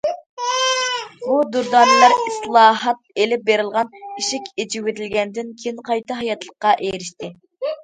بۇ دۇردانىلەر ئىسلاھات ئېلىپ بېرىلغان، ئىشىك ئېچىۋېتىلگەندىن كېيىن قايتا ھاياتلىققا ئېرىشتى.